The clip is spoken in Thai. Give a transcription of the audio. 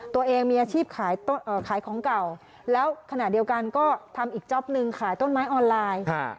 ตัวเองมีอาชีพขายของเก่าแล้วขณะเดียวกันก็ทำอีกจ๊อปนึงขายต้นไม้ออนไลน์